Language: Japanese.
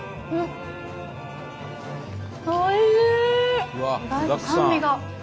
おいしい！